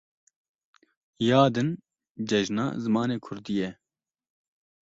Ya din Cejna Zimanê Kurdî ye.